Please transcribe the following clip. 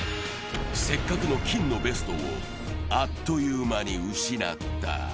せっかくの金のベストをあっという間に失った。